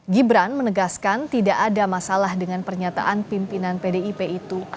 gibran menegaskan tidak ada masalah dengan pernyataan pimpinan pdip itu